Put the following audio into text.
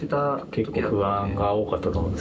結構不安が多かったと思うんですけど。